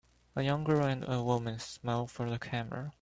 a young girl and a woman smile for the camera.